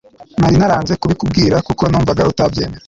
nari naranze kubikubwira kuko numvaga utabyemera